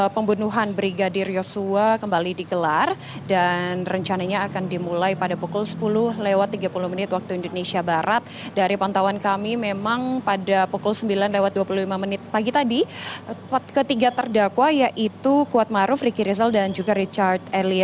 pembunuhan berkataan yang telah dikelar